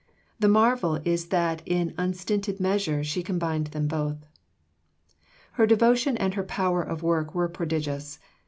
The marvel is that in unstinted measure she combined them both. Her devotion and her power of work were prodigious.